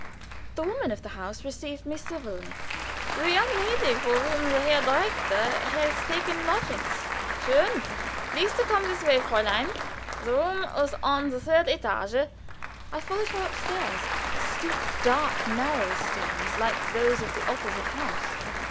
The woman of the house received me civilly. "The young lady for whom the Herr Direktor had taken lodgings? Schon! Please to come this way, Fräulein. The room was on the third étage." I followed her upstairs steep, dark, narrow stairs, like those of the opposite house.